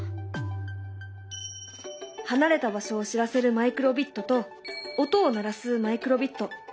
離れた場所を知らせるマイクロビットと音を鳴らすマイクロビット。